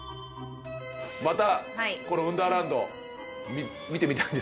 またこの『運ダーランド』見てみたいですか？